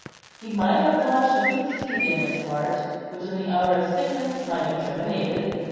He might have lodged a good seed in his heart, which in the hour of sickness might have germinated.